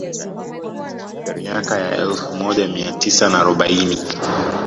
Miaka ya elfu moja mia tisa na arobaini